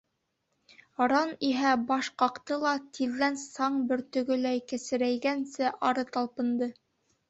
Ранн иһә баш ҡаҡты ла тиҙҙән саң бөртөгөләй кесерәйгәнсе ары талпынды.